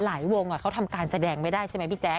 วงเขาทำการแสดงไม่ได้ใช่ไหมพี่แจ๊